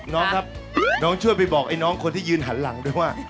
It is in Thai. น้องครับน้องช่วยไปบอกไอ้น้องคนที่ยืนหันหลังด้วยว่า